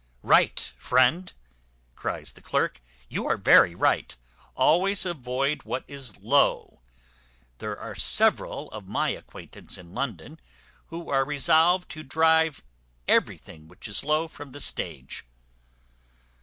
"Right, friend," cries the clerk, "you are very right. Always avoid what is low. There are several of my acquaintance in London, who are resolved to drive everything which is low from the stage."